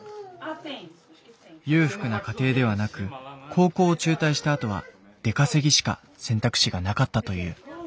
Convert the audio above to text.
裕福な家庭ではなく高校を中退したあとは出稼ぎしか選択肢がなかったという。